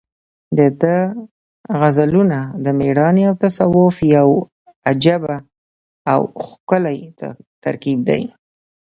د ده غزلونه د مېړانې او تصوف یو عجیبه او ښکلی ترکیب دی.